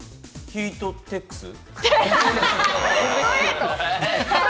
ヒートテックス。